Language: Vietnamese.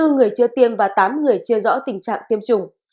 hai mươi người chưa tiêm và tám người chưa rõ tình trạng tiêm chủng